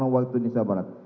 waktu yusof sabarat